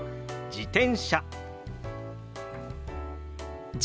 自転車。